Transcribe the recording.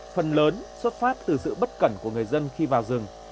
phần lớn xuất phát từ sự bất cẩn của người dân khi vào rừng